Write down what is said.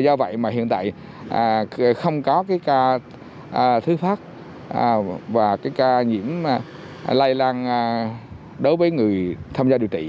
do vậy mà hiện tại không có cái ca thứ phát và cái ca nhiễm lây lan đối với người tham gia điều trị